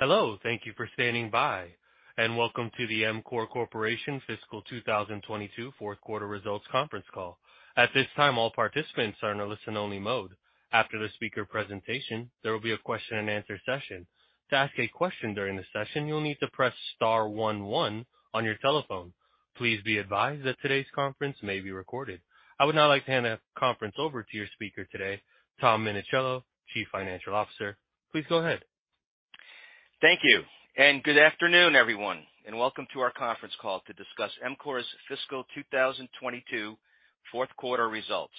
Hello, thank you for standing by and welcome to the EMCORE Corporation fiscal 2022 fourth quarter results conference call. At this time, all participants are in a listen-only mode. After the speaker presentation, there will be a question-and-answer session. To ask a question during the session, you'll need to press star one on your telephone. Please be advised that today's conference may be recorded. I would now like to hand the conference over to your speaker today, Tom Minichiello, Chief Financial Officer. Please go ahead. Thank you. Good afternoon, everyone, and welcome to our conference call to discuss EMCORE's fiscal 2022 fourth quarter results.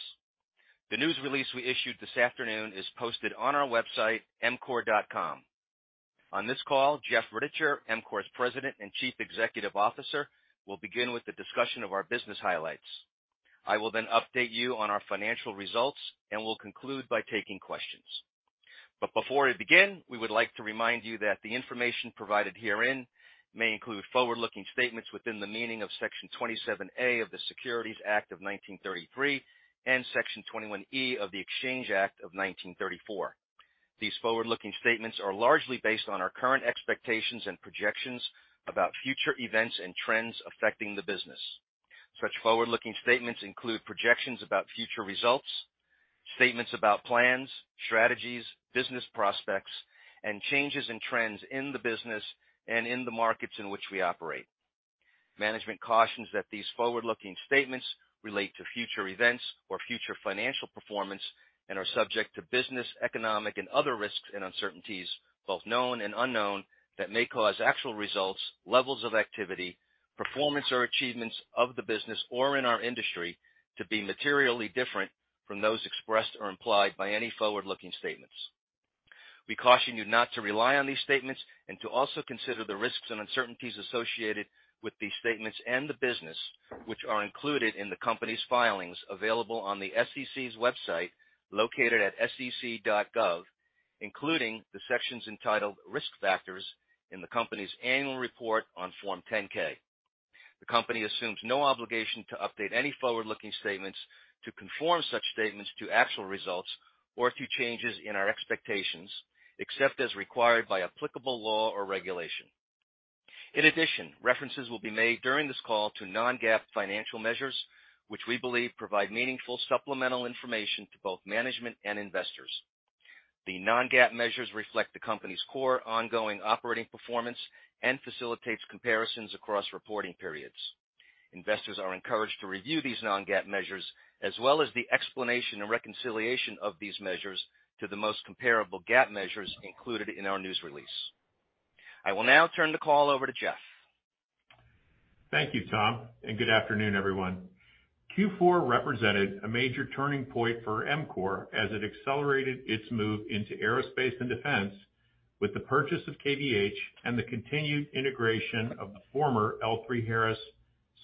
The news release we issued this afternoon is posted on our website, emcore.com. On this call, Jeff Rittichier, EMCORE's President and Chief Executive Officer, will begin with the discussion of our business highlights. I will then update you on our financial results. We'll conclude by taking questions. Before we begin, we would like to remind you that the information provided herein may include forward-looking statements within the meaning of Section 27A of the Securities Act of 1933 and Section 21E of the Securities Exchange Act of 1934. These forward-looking statements are largely based on our current expectations and projections about future events and trends affecting the business. Such forward-looking statements include projections about future results, statements about plans, strategies, business prospects, and changes in trends in the business and in the markets in which we operate. Management cautions that these forward-looking statements relate to future events or future financial performance and are subject to business, economic, and other risks and uncertainties, both known and unknown, that may cause actual results, levels of activity, performance, or achievements of the business or in our industry to be materially different from those expressed or implied by any forward-looking statements. We caution you not to rely on these statements and to also consider the risks and uncertainties associated with these statements and the business, which are included in the company's filings available on the SEC's website located at sec.gov, including the sections entitled Risk Factors in the company's annual report on Form 10-K. The company assumes no obligation to update any forward-looking statements to conform such statements to actual results or to changes in our expectations, except as required by applicable law or regulation. In addition, references will be made during this call to non-GAAP financial measures, which we believe provide meaningful supplemental information to both management and investors. The non-GAAP measures reflect the company's core ongoing operating performance and facilitates comparisons across reporting periods. Investors are encouraged to review these non-GAAP measures as well as the explanation and reconciliation of these measures to the most comparable GAAP measures included in our news release. I will now turn the call over to Jeff. Thank you, Tom, and good afternoon, everyone. Q4 represented a major turning point for EMCORE as it accelerated its move into aerospace and defense with the purchase of KVH and the continued integration of the former L3Harris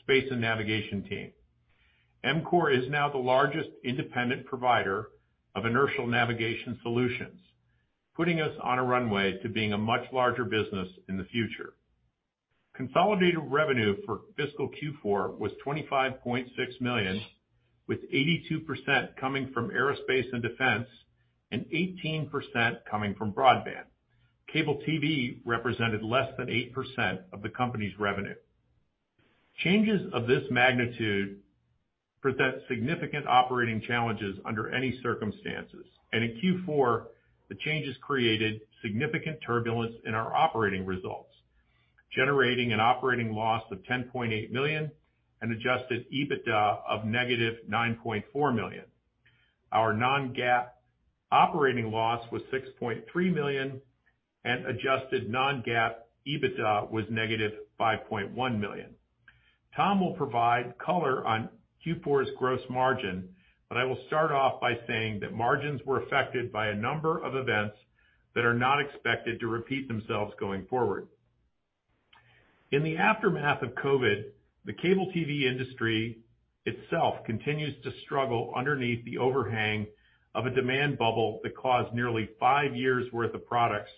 Space and Navigation team. EMCORE is now the largest independent provider of inertial navigation solutions, putting us on a runway to being a much larger business in the future. Consolidated revenue for fiscal Q4 was $25.6 million, with 82% coming from aerospace and defense and 18% coming from broadband. Cable TV represented less than 8% of the company's revenue. Changes of this magnitude present significant operating challenges under any circumstances. In Q4, the changes created significant turbulence in our operating results, generating an operating loss of $10.8 million and adjusted EBITDA of -$9.4 million. Our non-GAAP operating loss was $6.3 million, and adjusted non-GAAP EBITDA was negative $5.1 million. Tom will provide color on Q4's gross margin. I will start off by saying that margins were affected by a number of events that are not expected to repeat themselves going forward. In the aftermath of COVID, the cable TV industry itself continues to struggle underneath the overhang of a demand bubble that caused nearly five years' worth of products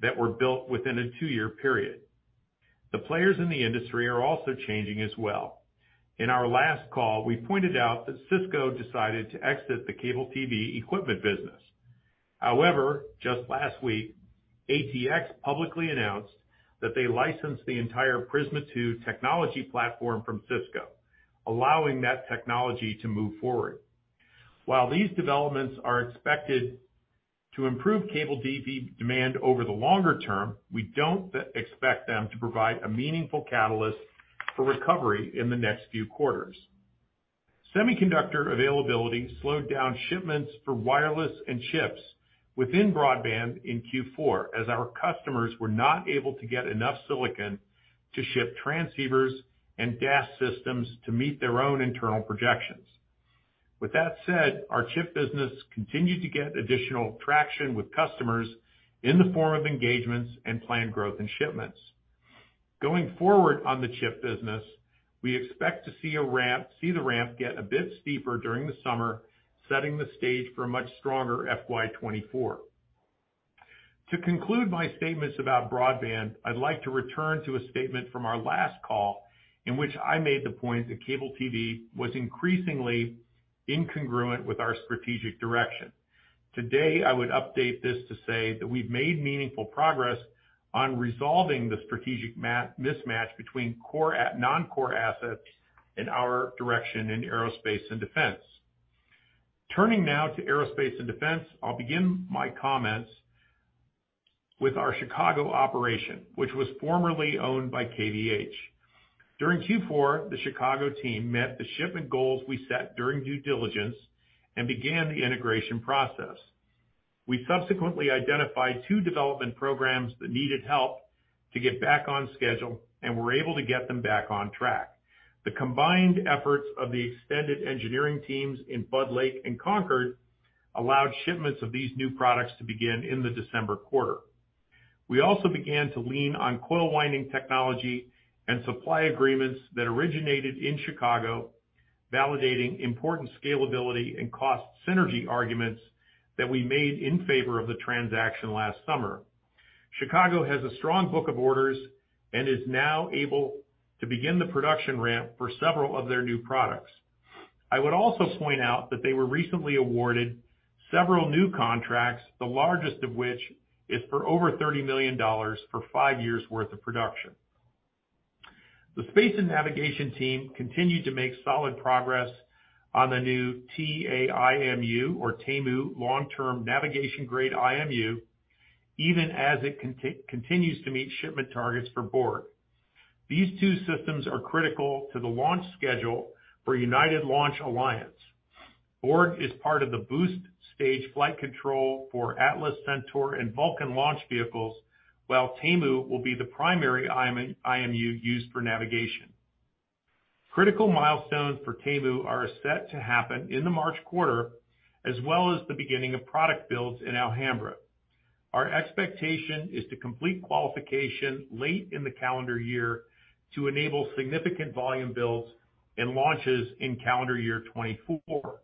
that were built within a two-year period. The players in the industry are also changing as well. In our last call, we pointed out that Cisco decided to exit the cable TV equipment business. Just last week, ATX publicly announced that they licensed the entire Prisma II technology platform from Cisco, allowing that technology to move forward. While these developments are expected to improve cable TV demand over the longer term, we don't expect them to provide a meaningful catalyst for recovery in the next few quarters. Semiconductor availability slowed down shipments for wireless and chips within broadband in Q4, as our customers were not able to get enough silicon to ship transceivers and DAS systems to meet their own internal projections. With that said, our chip business continued to get additional traction with customers in the form of engagements and planned growth in shipments. Going forward on the chip business, we expect to see the ramp get a bit steeper during the summer, setting the stage for a much stronger FY 2024. To conclude my statements about broadband, I'd like to return to a statement from our last call in which I made the point that cable TV was increasingly incongruent with our strategic direction. Today, I would update this to say that we've made meaningful progress on resolving the strategic mismatch between core non-core assets in our direction in aerospace and defense. Turning now to aerospace and defense, I'll begin my comments with our Chicago operation, which was formerly owned by KVH. During Q4, the Chicago team met the shipment goals we set during due diligence and began the integration process. We subsequently identified two development programs that needed help to get back on schedule, and we're able to get them back on track. The combined efforts of the extended engineering teams in Budd Lake and Concord allowed shipments of these new products to begin in the December quarter. We also began to lean on coil winding technology and supply agreements that originated in Chicago, validating important scalability and cost synergy arguments that we made in favor of the transaction last summer. Chicago has a strong book of orders and is now able to begin the production ramp for several of their new products. They were recently awarded several new contracts, the largest of which is for over $30 million for five years' worth of production. The space and navigation team continues to make solid progress on the new T-A-I-M-U or TAIMU long-term navigation grade IMU, even as it continues to meet shipment targets for Board. These two systems are critical to the launch schedule for United Launch Alliance. Board is part of the boost stage flight control for Atlas Centaur and Vulcan launch vehicles, while TAIMU will be the primary IMU used for navigation. Critical milestones for TAIMU are set to happen in the March quarter, as well as the beginning of product builds in Alhambra. Our expectation is to complete qualification late in the calendar year to enable significant volume builds and launches in calendar year 2024.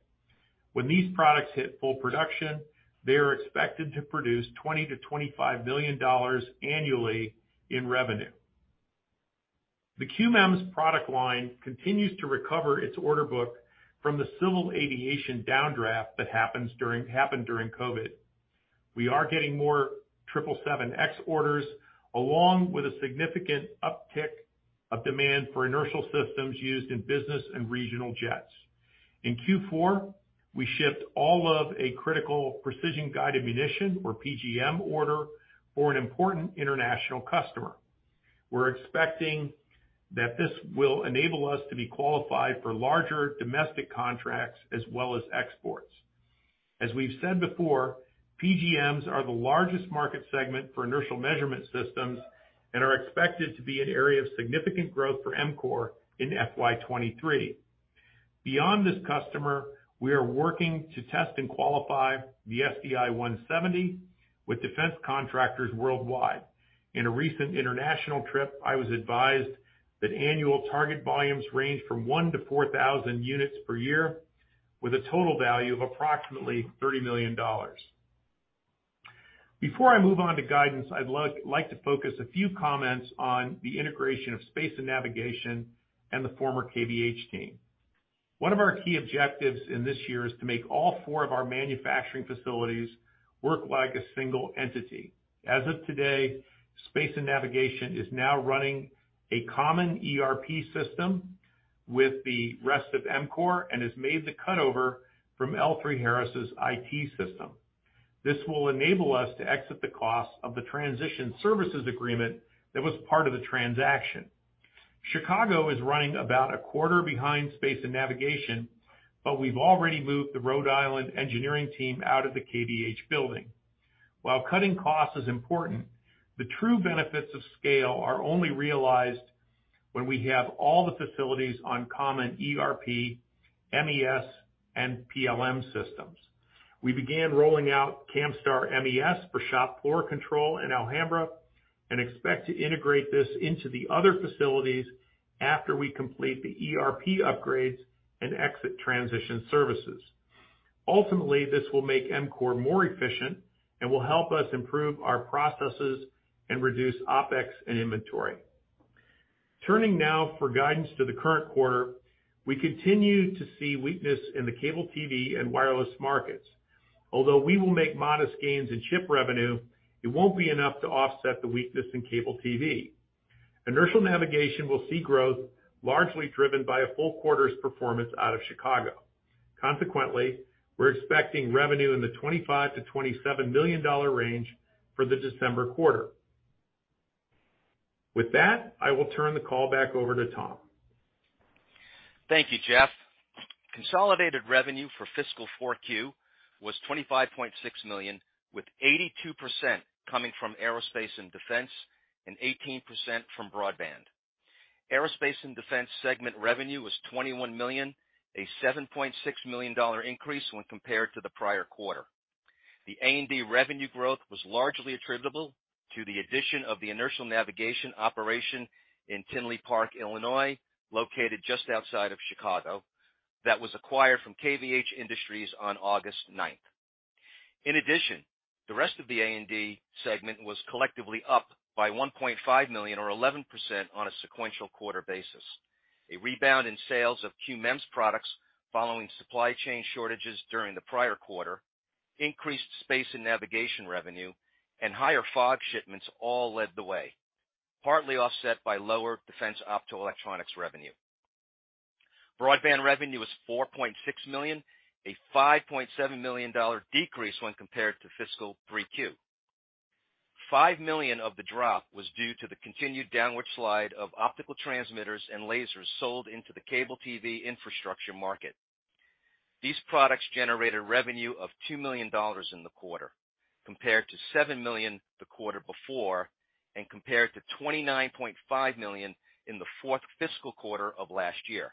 When these products hit full production, they are expected to produce $20 million-$25 million annually in revenue. The QMEMS product line continues to recover its order book from the civil aviation downdraft that happened during COVID. We are getting more 777X orders, along with a significant uptick of demand for inertial systems used in business and regional jets. In Q4, we shipped all of a critical precision-guided munition, or PGM order, for an important international customer. We're expecting that this will enable us to be qualified for larger domestic contracts as well as exports. As we've said before, PGMs are the largest market segment for inertial measurement systems and are expected to be an area of significant growth for EMCORE in FY 2023. Beyond this customer, we are working to test and qualify the SDI170 with defense contractors worldwide. In a recent international trip, I was advised that annual target volumes range from 1,000-4,000 units per year, with a total value of approximately $30 million. Before I move on to guidance, I'd like to focus a few comments on the integration of space and navigation and the former KVH team. One of our key objectives in this year is to make all four of our manufacturing facilities work like a single entity. As of today, space and navigation is now running a common ERP system with the rest of EMCORE and has made the cutover from L3Harris' IT system. This will enable us to exit the cost of the transition services agreement that was part of the transaction. Chicago is running about a quarter behind space and navigation, but we've already moved the Rhode Island engineering team out of the KVH building. While cutting costs is important, the true benefits of scale are only realized when we have all the facilities on common ERP, MES, and PLM systems. We began rolling out Camstar MES for shop floor control in Alhambra and expect to integrate this into the other facilities after we complete the ERP upgrades and exit transition services. Ultimately, this will make EMCORE more efficient and will help us improve our processes and reduce OpEx and inventory. Turning now for guidance to the current quarter, we continue to see weakness in the cable TV and wireless markets. Although we will make modest gains in ship revenue, it won't be enough to offset the weakness in cable TV. Inertial navigation will see growth largely driven by a full quarter's performance out of Chicago. Consequently, we're expecting revenue in the $25 million-$27 million range for the December quarter. With that, I will turn the call back over to Tom. Thank you, Jeff. Consolidated revenue for fiscal four Q was $25.6 million, with 82% coming from aerospace and defense and 18% from broadband. Aerospace and Defense segment revenue was $21 million, a $7.6 million dollar increase when compared to the prior quarter. The A&D revenue growth was largely attributable to the addition of the inertial navigation operation in Tinley Park, Illinois, located just outside of Chicago, that was acquired from KVH Industries on August 9th. In addition, the rest of the A&D segment was collectively up by $1.5 million or 11% on a sequential quarter basis. A rebound in sales of QMEMS products following supply chain shortages during the prior quarter, increased space and navigation revenue, and higher FOG shipments all led the way, partly offset by lower defense optical electronics revenue. Broadband revenue was $4.6 million, a $5.7 million decrease when compared to fiscal 3Q. $5 million of the drop was due to the continued downward slide of optical transmitters and lasers sold into the cable TV infrastructure market. These products generated revenue of $2 million in the quarter, compared to $7 million the quarter before, and compared to $29.5 million in the 4th fiscal quarter of last year.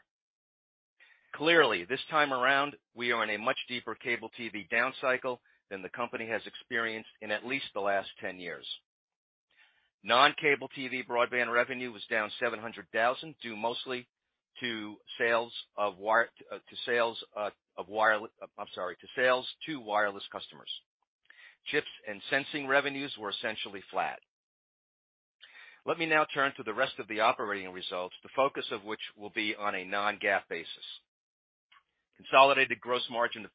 Clearly, this time around, we are in a much deeper cable TV down cycle than the company has experienced in at least the last 10 years. Non-cable TV broadband revenue was down $700,000, due mostly to sales to wireless customers. Chips and sensing revenues were essentially flat. Let me now turn to the rest of the operating results, the focus of which will be on a non-GAAP basis. Consolidated gross margin of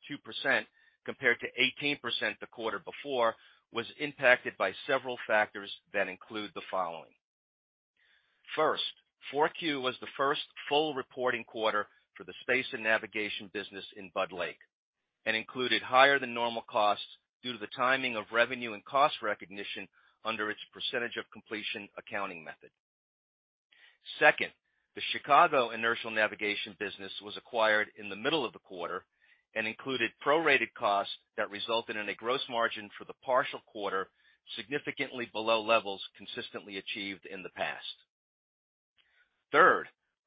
2% compared to 18% the quarter before was impacted by several factors that include the following. First, 4Q was the first full reporting quarter for the space and navigation business in Bud Lake and included higher than normal costs due to the timing of revenue and cost recognition under its percentage of completion accounting method. Second, the Chicago inertial navigation business was acquired in the middle of the quarter and included prorated costs that resulted in a gross margin for the partial quarter, significantly below levels consistently achieved in the past.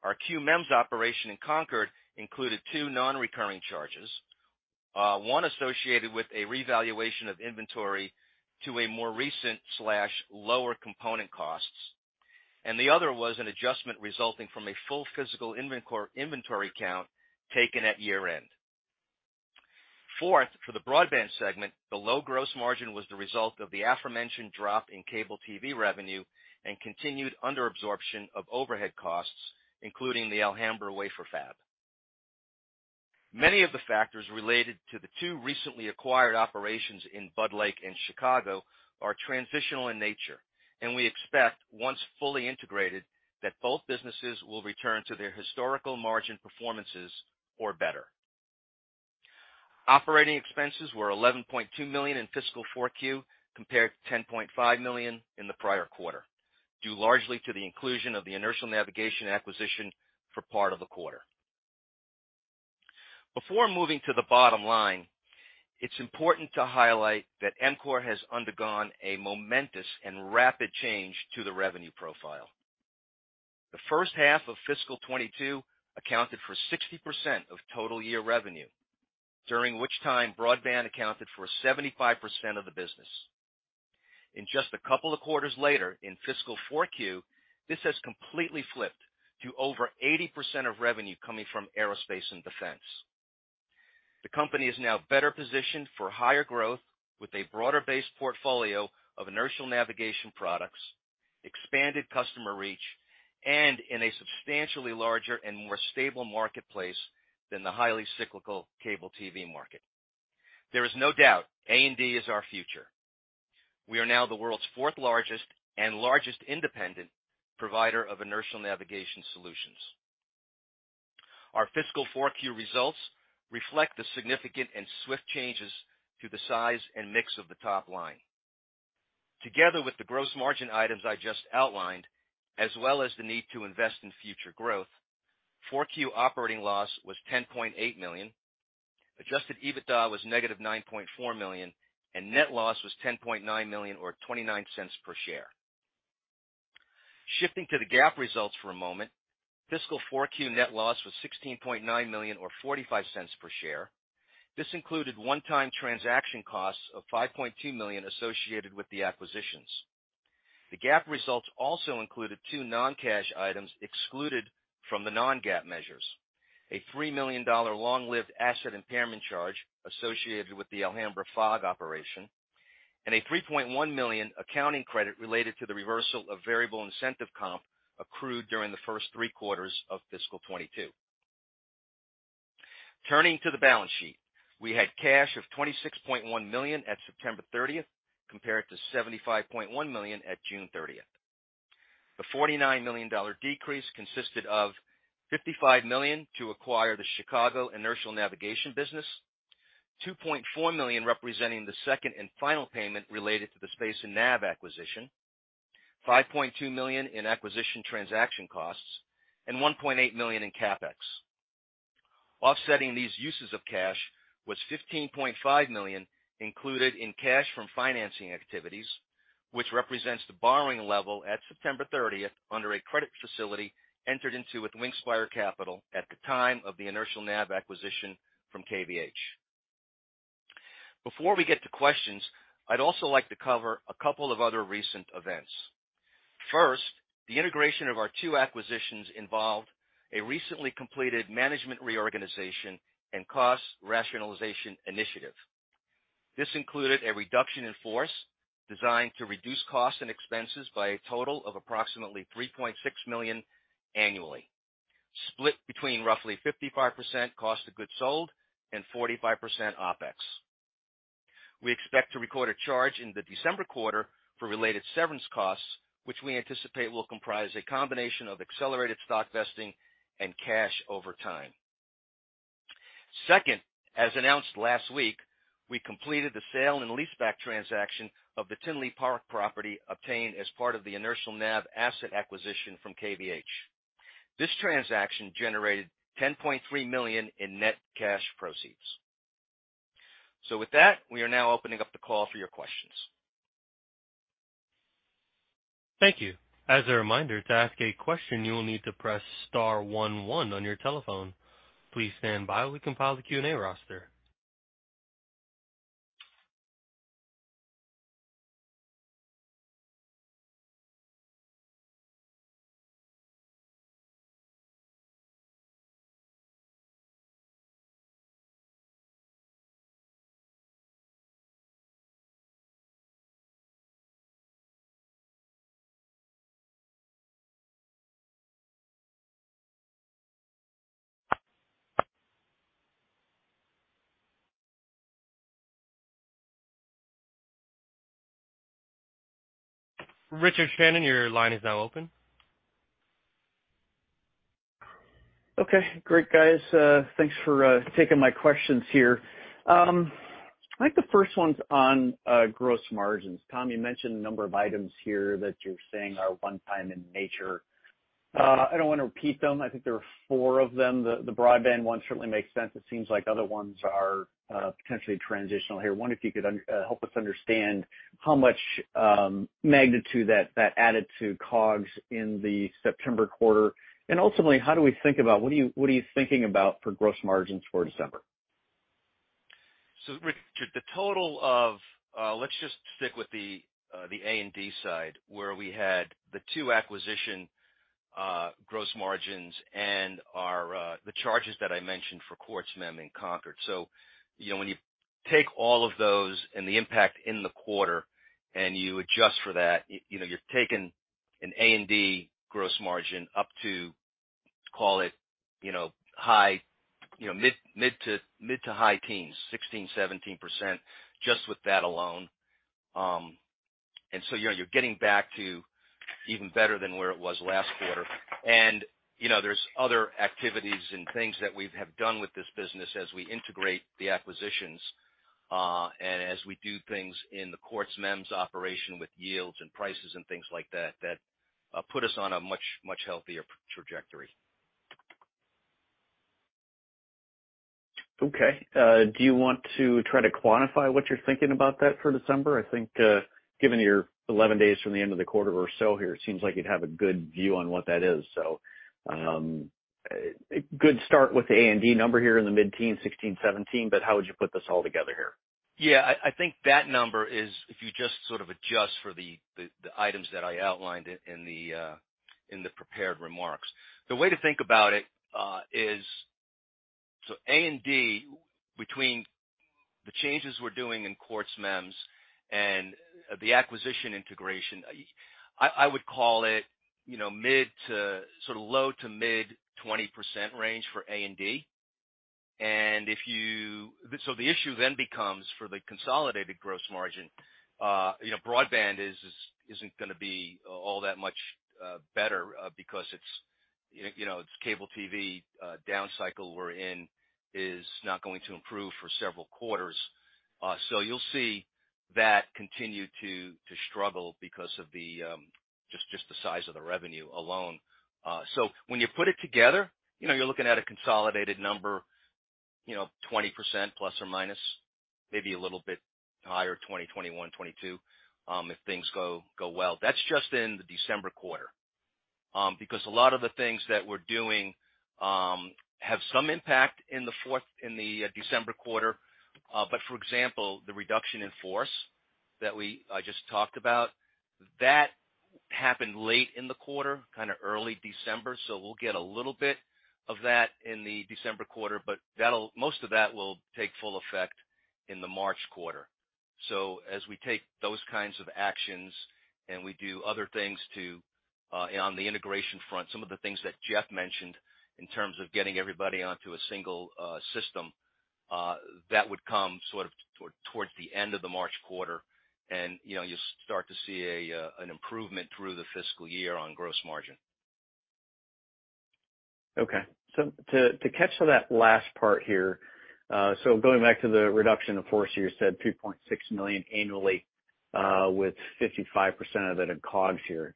Our QMEMS operation in Concord included two non-recurring charges, one associated with a revaluation of inventory to a more recent slash lower component costs, and the other was an adjustment resulting from a full physical inventory count taken at year-end. For the broadband segment, the low gross margin was the result of the aforementioned drop in cable TV revenue and continued under absorption of overhead costs, including the Alhambra wafer fab. Many of the factors related to the two recently acquired operations in Bud Lake and Chicago are transitional in nature. We expect, once fully integrated, that both businesses will return to their historical margin performances or better. Operating expenses were $11.2 million in fiscal 4Q compared to $10.5 million in the prior quarter, due largely to the inclusion of the inertial navigation acquisition for part of the quarter. Before moving to the bottom line, it's important to highlight that EMCORE has undergone a momentous and rapid change to the revenue profile. The first half of fiscal 2022 accounted for 60% of total year revenue, during which time broadband accounted for 75% of the business. In just a couple of quarters later in fiscal 4Q, this has completely flipped to over 80% of revenue coming from Aerospace and Defense. The company is now better positioned for higher growth with a broader base portfolio of inertial navigation products, expanded customer reach, and in a substantially larger and more stable marketplace than the highly cyclical cable TV market. There is no doubt A&D is our future. We are now the world's fourth-largest and largest independent provider of inertial navigation solutions. Our fiscal 4Q results reflect the significant and swift changes to the size and mix of the top line. Together with the gross margin items I just outlined, as well as the need to invest in future growth, 4Q operating loss was $10.8 million, adjusted EBITDA was negative $9.4 million, and net loss was $10.9 million or $0.29 per share. Shifting to the GAAP results for a moment, fiscal 4Q net loss was $16.9 million or $0.45 per share. This included one-time transaction costs of $5.2 million associated with the acquisitions. The GAAP results also included two non-cash items excluded from the non-GAAP measures, a $3 million long-lived asset impairment charge associated with the Alhambra FOG operation, and a $3.1 million accounting credit related to the reversal of variable incentive comp accrued during the first three quarters of fiscal 2022. Turning to the balance sheet, we had cash of $26.1 million at September 30th, compared to $75.1 million at June 30th. The $49 million decrease consisted of $55 million to acquire the Chicago inertial navigation business, $2.4 million representing the second and final payment related to the space and nav acquisition, $5.2 million in acquisition transaction costs, and $1.8 million in CapEx. Offsetting these uses of cash was $15.5 million included in cash from financing activities, which represents the borrowing level at September 30th under a credit facility entered into with Wingspire Capital at the time of the inertial nav acquisition from KVH. Before we get to questions, I'd also like to cover a couple of other recent events. First, the integration of our two acquisitions involved a recently completed management reorganization and cost rationalization initiative. This included a reduction in force designed to reduce costs and expenses by a total of approximately $3.6 million annually, split between roughly 55% cost of goods sold and 45% OpEx. We expect to record a charge in the December quarter for related severance costs, which we anticipate will comprise a combination of accelerated stock vesting and cash over time. As announced last week, we completed the sale and leaseback transaction of the Tinley Park property obtained as part of the Inertial NAV asset acquisition from KVH. This transaction generated $10.3 million in net cash proceeds. With that, we are now opening up the call for your questions. Thank you. As a reminder, to ask a question, you will need to press star one one on your telephone. Please stand by while we compile the Q&A roster. Richard Shannon, your line is now open. Okay, great, guys. Thanks for taking my questions here. I'd like the first one's on gross margins. Tom, you mentioned a number of items here that you're saying are one time in nature. I don't wanna repeat them. I think there are four of them. The broadband one certainly makes sense. It seems like other ones are potentially transitional here. Wonder if you could help us understand how much magnitude that added to COGS in the September quarter. Ultimately, how do we think about what are you thinking about for gross margins for December? Richard, the total of, let's just stick with the A&D side, where we had the two acquisition gross margins and our the charges that I mentioned for Quartz MEMS in Concord. You know, when you take all of those and the impact in the quarter, and you adjust for that, you know, you're taking an A&D gross margin up to call it, you know, high, you know, mid to high teens, 16%-17%, just with that alone. You know, you're getting back to even better than where it was last quarter. You know, there's other activities and things that we've have done with this business as we integrate the acquisitions, and as we do things in the Quartz MEMS operation with yields and prices and things like that put us on a much healthier trajectory. Do you want to try to quantify what you're thinking about that for December? I think, given you're 11 days from the end of the quarter or so here, it seems like you'd have a good view on what that is. A good start with the A&D number here in the mid-teen, 16, 17, but how would you put this all together here? Yeah. I think that number is if you just sort of adjust for the items that I outlined in the prepared remarks. The way to think about it is so A&D between the changes we're doing in Quartz MEMS and the acquisition integration, I would call it, you know, mid to sort of low to mid 20% range for A&D. The issue then becomes for the consolidated gross margin, you know, broadband isn't gonna be all that much better because it's, you know, it's cable TV down cycle we're in is not going to improve for several quarters. You'll see that continue to struggle because of the just the size of the revenue alone. When you put it together, you know you're looking at a consolidated number, you know, 20% plus or minus, maybe a little bit higher, 20, 21, 22, if things go well. That's just in the December quarter. Because a lot of the things that we're doing, have some impact in the fourth, in the December quarter. For example, the reduction in force that I just talked about, that happened late in the quarter, kinda early December. We'll get a little bit of that in the December quarter, but most of that will take full effect in the March quarter. As we take those kinds of actions and we do other things to on the integration front, some of the things that Jeff mentioned in terms of getting everybody onto a single system that would come sort of towards the end of the March quarter. You know, you'll start to see an improvement through the fiscal year on gross margin. Okay. To catch to that last part here, going back to the reduction of force, you said $3.6 million annually, with 55% of it in COGS here.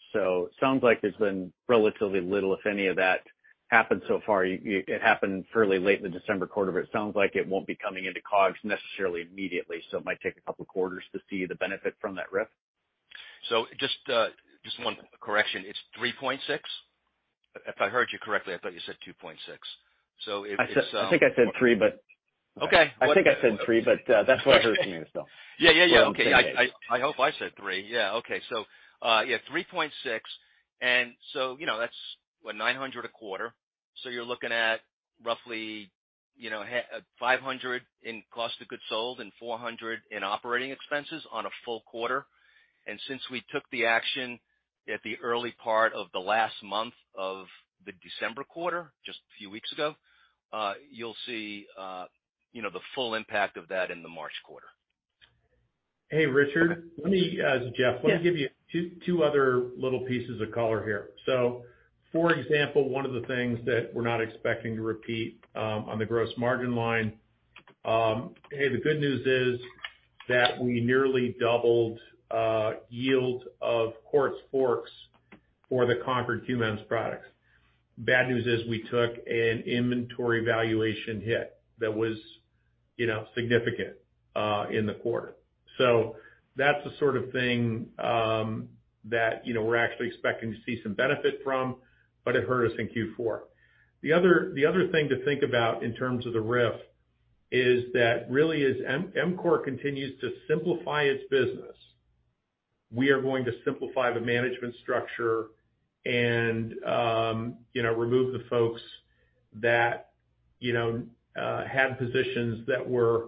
Sounds like there's been relatively little, if any of that happened so far. It happened fairly late in the December quarter, but it sounds like it won't be coming into COGS necessarily immediately, so it might take a couple quarters to see the benefit from that RIF? Just one correction. It's 3.6. If I heard you correctly, I thought you said 2.6. If it's, I said I think I said 3, but. Okay. I think I said 3. That's what I heard from you. Yeah. Okay. I hope I said three. Yeah. Okay. Yeah, 3.6. You know, that's what? $900 a quarter. You're looking at roughly, you know, $500 in cost of goods sold and $400 in operating expenses on a full quarter. Since we took the action at the early part of the last month of the December quarter, just a few weeks ago, you'll see, you know, the full impact of that in the March quarter. Hey, Richard, let me... This is Jeff. Yeah. Let me give you two other little pieces of color here. For example, one of the things that we're not expecting to repeat, on the gross margin line, hey, the good news is that we nearly doubled yield of quartz forks for the Concord QMEMS products. Bad news is we took an inventory valuation hit that was, you know, significant, in the quarter. That's the sort of thing, you know, we're actually expecting to see some benefit from, but it hurt us in Q4. The other thing to think about in terms of the RIF is that really as EMCORE continues to simplify its business, we are going to simplify the management structure and, you know, remove the folks that, you know, had positions that were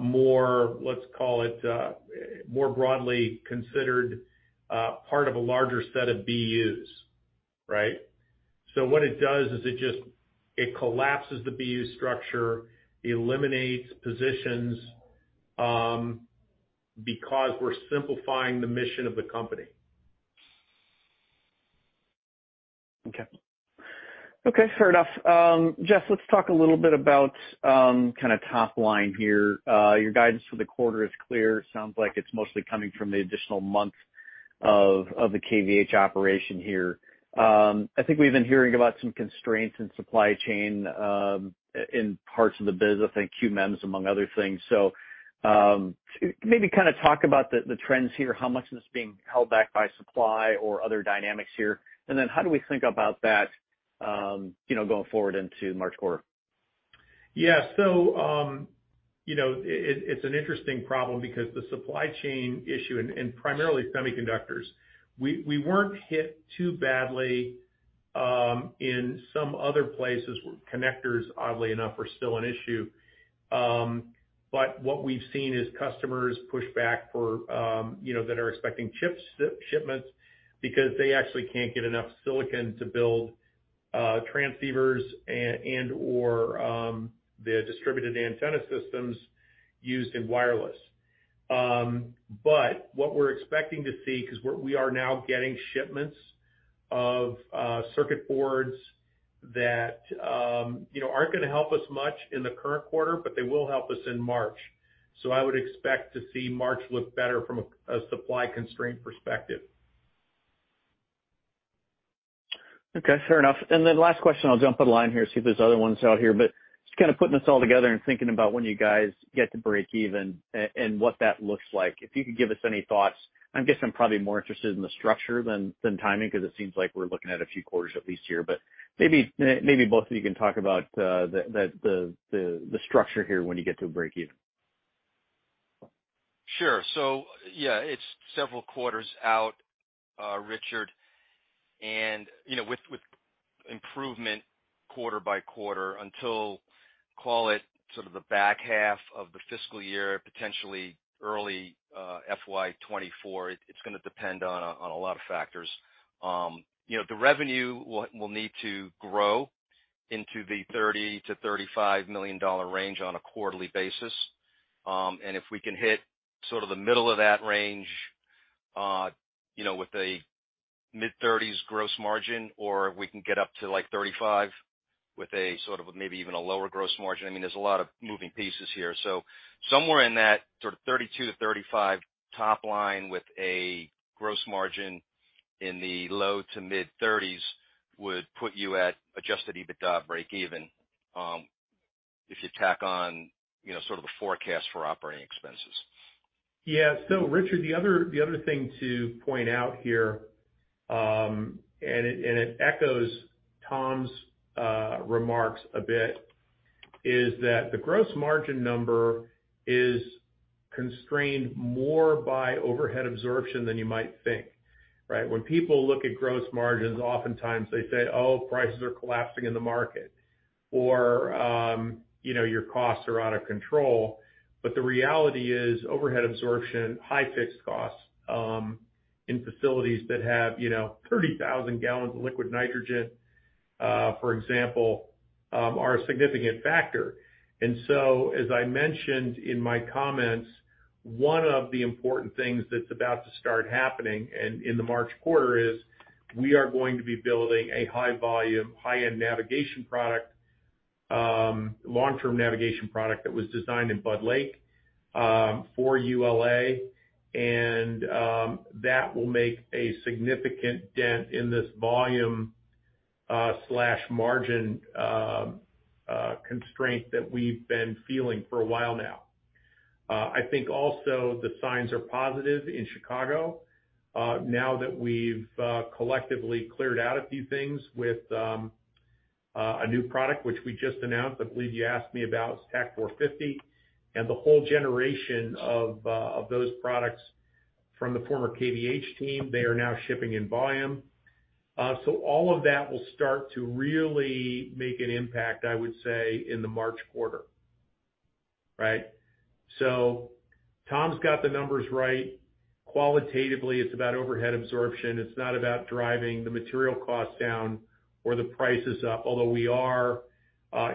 more, let's call it, more broadly considered part of a larger set of BUs, right? What it does is it just collapses the BU structure, eliminates positions, because we're simplifying the mission of the company. Okay. Okay, fair enough. Jeff, let's talk a little bit about kinda top line here. Your guidance for the quarter is clear. Sounds like it's mostly coming from the additional month of the KVH operation here. I think we've been hearing about some constraints in supply chain, in parts of the biz, I think QMEMS among other things. Maybe kinda talk about the trends here. How much of this is being held back by supply or other dynamics here? Then how do we think about that, you know, going forward into March quarter? Yeah. It's an interesting problem because the supply chain issue and primarily semiconductors, we weren't hit too badly in some other places. Connectors, oddly enough, are still an issue. What we've seen is customers push back for that are expecting chip shipments because they actually can't get enough silicon to build transceivers and/or the distributed antenna systems used in wireless. What we're expecting to see, 'cause we are now getting shipments of circuit boards that aren't gonna help us much in the current quarter, but they will help us in March. I would expect to see March look better from a supply constraint perspective. Okay, fair enough. Last question, I'll jump on line here, see if there's other ones out here, but just kinda putting this all together and thinking about when you guys get to breakeven and what that looks like. If you could give us any thoughts. I'm guessing I'm probably more interested in the structure than timing 'cause it seems like we're looking at a few quarters at least here. Maybe both of you can talk about the structure here when you get to breakeven. Sure. Yeah, it's several quarters out, Richard. You know, with improvement quarter-by-quarter until, call it, sort of the back half of the fiscal year, potentially early FY 2024. It's gonna depend on a lot of factors. You know, the revenue will need to grow into the $30 million-$35 million range on a quarterly basis. If we can hit sort of the middle of that range, you know, with a mid-30s gross margin or we can get up to like 35% with a sort of maybe even a lower gross margin. I mean, there's a lot of moving pieces here. Somewhere in that sort of 32-35 top line with a gross margin in the low to mid-30s% would put you at adjusted EBITDA breakeven, if you tack on, you know, sort of the forecast for operating expenses. Yeah. Richard, the other, the other thing to point out here, and it echoes Tom's remarks a bit, is that the gross margin number is constrained more by overhead absorption than you might think, right? When people look at gross margins, oftentimes they say, "Oh, prices are collapsing in the market," or, you know, "Your costs are out of control." The reality is overhead absorption, high fixed costs, in facilities that have, you know, 30,000 gallons of liquid nitrogen, for example, are a significant factor. As I mentioned in my comments, one of the important things that's about to start happening in the March quarter is we are going to be building a high volume, high-end navigation product, long-term navigation product that was designed in Bud Lake, for ULA, and that will make a significant dent in this volume slash margin constraint that we've been feeling for a while now. I think also the signs are positive in Chicago, now that we've collectively cleared out a few things with a new product which we just announced, I believe you asked me about TAC-450, and the whole generation of those products from the former KVH team, they are now shipping in volume. All of that will start to really make an impact, I would say, in the March quarter. Right? Tom's got the numbers right. Qualitatively, it's about overhead absorption. It's not about driving the material costs down or the prices up, although we are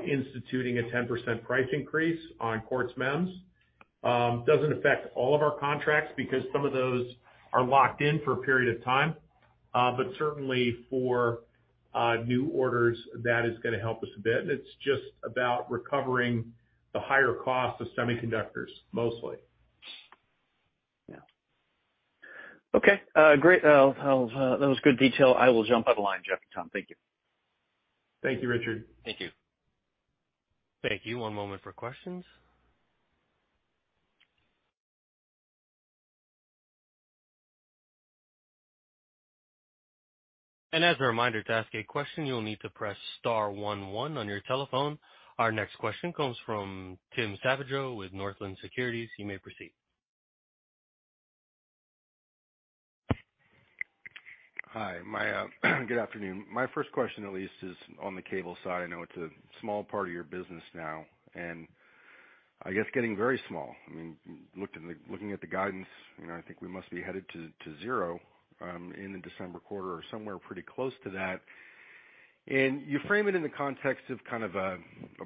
instituting a 10% price increase on Quartz MEMS. Doesn't affect all of our contracts because some of those are locked in for a period of time. Certainly for new orders, that is gonna help us a bit. It's just about recovering the higher cost of semiconductors, mostly. Yeah. Okay. Great. That was good detail. I will jump off the line, Jeff and Tom. Thank you. Thank you, Richard. Thank you. Thank you. One moment for questions. As a reminder, to ask a question, you'll need to press star one one on your telephone. Our next question comes from Tim Savageaux with Northland Securities. You may proceed. Hi, my good afternoon. My first question at least is on the cable side. I know it's a small part of your business now, and I guess getting very small. I mean, looking at the guidance, you know, I think we must be headed to zero in the December quarter or somewhere pretty close to that. You frame it in the context of kind of a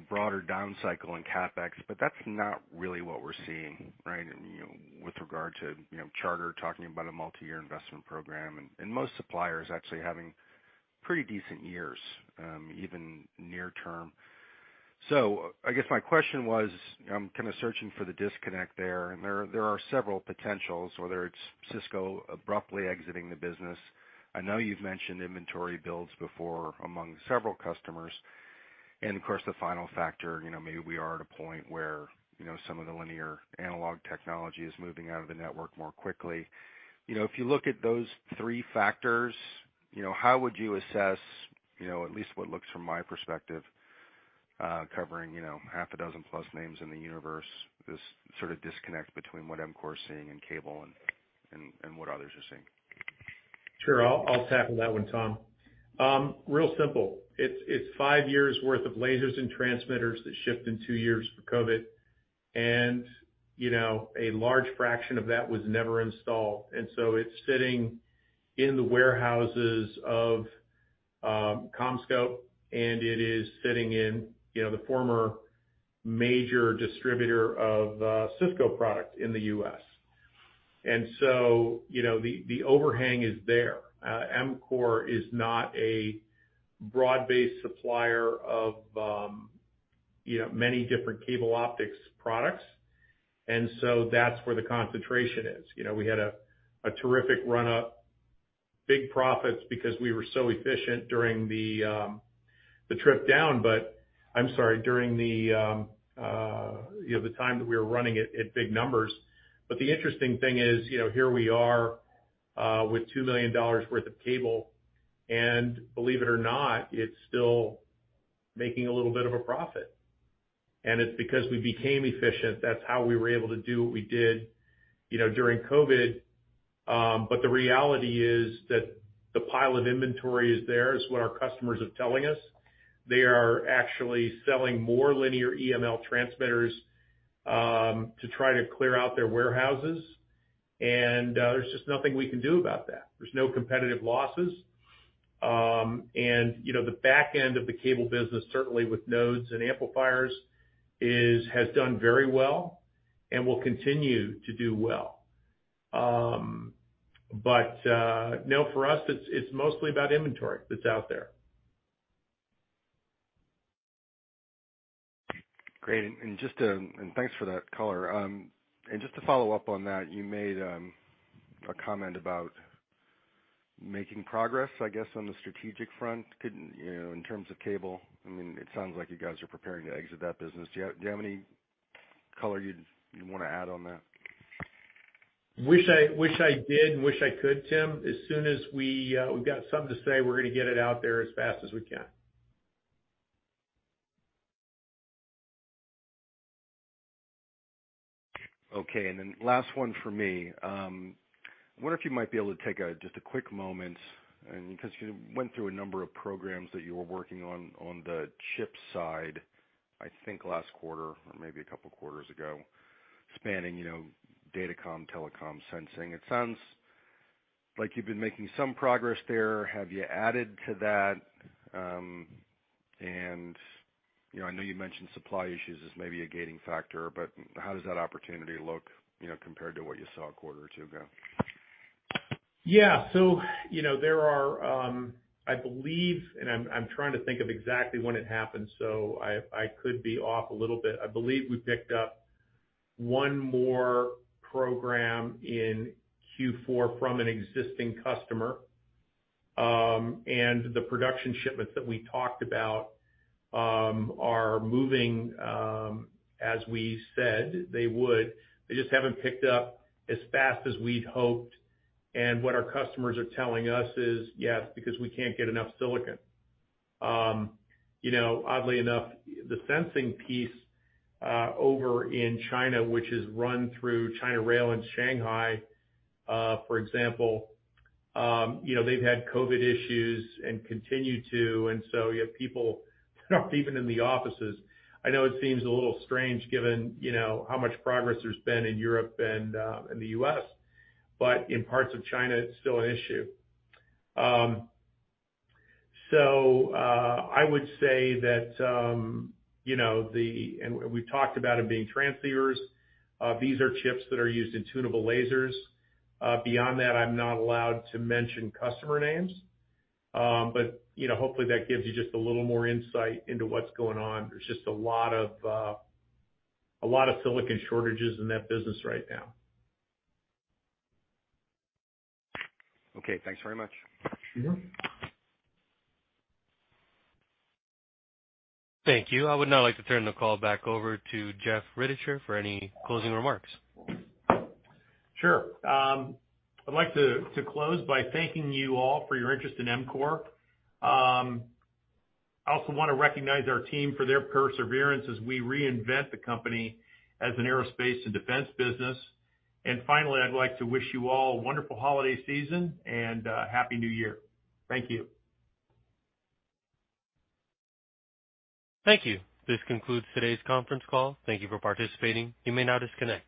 broader down cycle in CapEx, but that's not really what we're seeing, right? I mean, you know, with regard to, you know, Charter talking about a multiyear investment program and most suppliers actually having pretty decent years, even near term. I guess my question was, I'm kinda searching for the disconnect there, and there are several potentials, whether it's Cisco abruptly exiting the business. I know you've mentioned inventory builds before among several customers. Of course, the final factor, you know, maybe we are at a point where, you know, some of the linear analog technology is moving out of the network more quickly. If you look at those three factors, you know, how would you assess, you know, at least what looks from my perspective, covering, you know, half a dozen plus names in the universe, this sort of disconnect between what EMCORE is seeing in cable and what others are seeing? Sure. I'll tackle that one, Tom. Real simple. It's five years worth of lasers and transmitters that shipped in two years for COVID. You know, a large fraction of that was never installed, so it's sitting in the warehouses of CommScope, and it is sitting in, you know, the former major distributor of Cisco product in the U.S. You know, the overhang is there. EMCORE is not a broad-based supplier of, you know, many different cable optics products. That's where the concentration is. You know, we had a terrific run up, big profits because we were so efficient during the trip down. I'm sorry, during the, you know, the time that we were running it at big numbers. The interesting thing is, you know, here we are, with $2 million worth of cable, and believe it or not, it's still making a little bit of a profit. It's because we became efficient. That's how we were able to do what we did, you know, during COVID. The reality is that the pile of inventory is there, is what our customers are telling us. They are actually selling more linear EML transmitters to try to clear out their warehouses. There's just nothing we can do about that. There's no competitive losses. You know, the back end of the cable business, certainly with nodes and amplifiers, has done very well and will continue to do well. No, for us, it's mostly about inventory that's out there. Great. Just, and thanks for that color. Just to follow up on that, you made a comment about making progress, I guess, on the strategic front. Could, you know, in terms of cable, I mean, it sounds like you guys are preparing to exit that business. Do you have any color you'd wanna add on that? Wish I did, and wish I could, Tim. As soon as we've got something to say, we're gonna get it out there as fast as we can. Okay. Last one for me. I wonder if you might be able to take a, just a quick moment, and because you went through a number of programs that you were working on the chip side, I think last quarter or maybe a couple of quarters ago, spanning, you know, datacom, telecom sensing. It sounds like you've been making some progress there. Have you added to that? And, you know, I know you mentioned supply issues as maybe a gating factor, but how does that opportunity look, you know, compared to what you saw a quarter or two ago? Yeah. You know, there are, I believe, and I'm trying to think of exactly when it happened, so I could be off a little bit. I believe we picked up one more program in Q4 from an existing customer. The production shipments that we talked about are moving as we said they would. They just haven't picked up as fast as we'd hoped. What our customers are telling us is, "Yes, because we can't get enough silicon." You know, oddly enough, the sensing piece over in China, which is run through China Rail in Shanghai, for example, you know, they've had COVID issues and continue to, you have people not even in the offices. I know it seems a little strange given, you know, how much progress there's been in Europe and in the U.S., but in parts of China, it's still an issue. I would say that, you know, we've talked about them being transceivers. These are chips that are used in tunable lasers. Beyond that, I'm not allowed to mention customer names. You know, hopefully that gives you just a little more insight into what's going on. There's just a lot of silicon shortages in that business right now. Okay, thanks very much. Mm-hmm. Thank you. I would now like to turn the call back over to Jeff Rittichier for any closing remarks. Sure. I'd like to close by thanking you all for your interest in EMCORE. I also wanna recognize our team for their perseverance as we reinvent the company as an aerospace and defense business. Finally, I'd like to wish you all a wonderful holiday season and happy New Year. Thank you. Thank you. This concludes today's conference call. Thank you for participating. You may now disconnect.